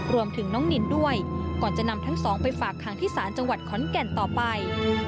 รวมถึงน้องนินด้วยก่อนจะนำทั้งสองไปฝากค้างที่ศาลจังหวัดขอนแก่นต่อไป